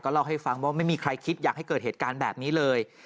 เล่าให้ฟังว่าไม่มีใครคิดอยากให้เกิดเหตุการณ์แบบนี้เลย